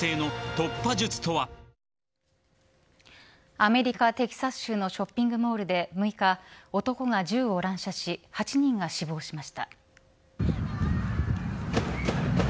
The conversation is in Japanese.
アメリカ、テキサス州のショッピングモールで６日男が銃を乱射し８人が死亡しました。